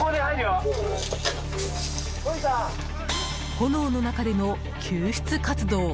炎の中での救出活動。